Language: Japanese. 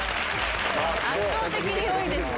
圧倒的に多いですね。